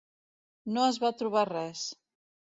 No es va trobar res.